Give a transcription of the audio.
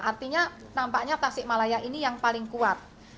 artinya nampaknya tasik malaya ini yang paling kuat